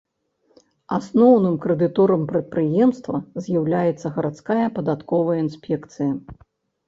Асноўным крэдыторам прадпрыемства з'яўляецца гарадская падатковая інспекцыя.